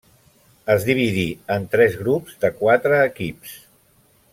Es dividí en tres grups de quatre equips.